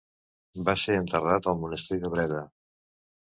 Va ser enterrat al monestir de Breda.